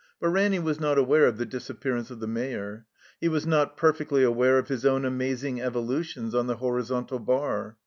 But Ranny was not aware of the disappearance of the Mayor. He was not perfectly aware of his own amazing evolutions on the horizontal bar.